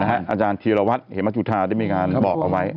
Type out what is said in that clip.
เนี่ยนะฮะอาจารย์ธีรวรรดิเหมือนมจุธาได้มีงานบอกเอาไว้